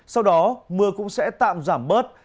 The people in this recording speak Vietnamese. sau đó mưa cũng sẽ tạm giảm bớt